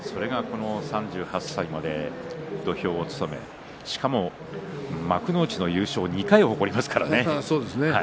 これが３８歳まで土俵を務め幕内の優勝２回ありますからね。